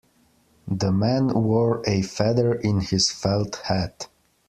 The man wore a feather in his felt hat.